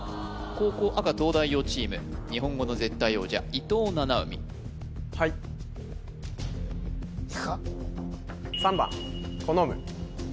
後攻赤東大王チーム日本語の絶対王者伊藤七海はいいくか？